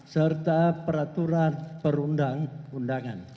serta peraturan perundang undangan